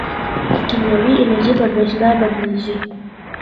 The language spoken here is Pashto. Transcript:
کیمیاوي انرژي په برېښنا بدلېږي.